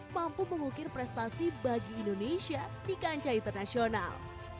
mampu mengukir prestasi bagi indonesia di kancah internasional